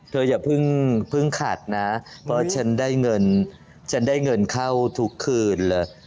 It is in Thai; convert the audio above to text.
เธออย่าเพิ่งขัดนะเพราะฉันได้เงินเข้าทุกคืนเลย